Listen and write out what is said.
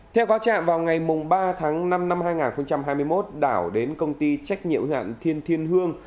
theo cáo trạng vào ngày ba tháng năm năm hai nghìn hai mươi một đảo đến công ty trách nhiệm hạn thiên hương